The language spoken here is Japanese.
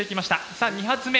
さあ２発目。